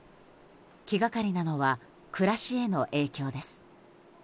気がかりなのは暮らしへの影響です。